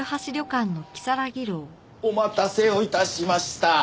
お待たせを致しました。